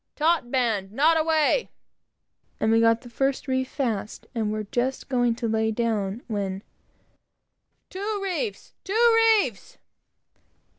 "taut band Knot away," and we got the first reef fast, and were just going to lay down, when "Two reefs two reefs!"